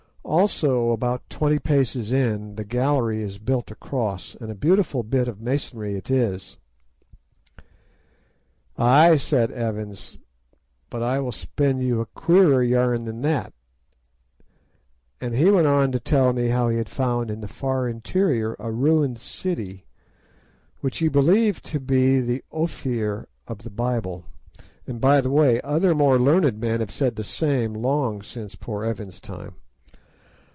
Also, about twenty paces in, the gallery is built across, and a beautiful bit of masonry it is." "'Ay,' said Evans, 'but I will spin you a queerer yarn than that'; and he went on to tell me how he had found in the far interior a ruined city, which he believed to be the Ophir of the Bible, and, by the way, other more learned men have said the same long since poor Evans's time.